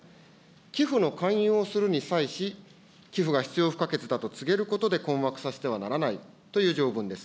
寄付の勧誘をするに際し、寄付が必要不可欠だと告げることで、困惑させてはならないという条文です。